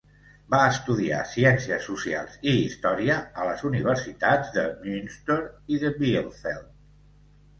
Va estudiar ciències socials i història a les universitats de Münster i de Bielefeld.